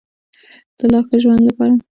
د لا ښه ژوند لپاره.